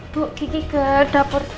bu kiki ke dapur